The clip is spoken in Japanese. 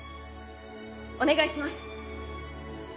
お願いします！